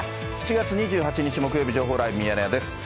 ７月２８日木曜日、情報ライブ、ミヤネ屋です。